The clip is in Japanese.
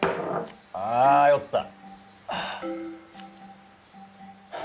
ああ酔った！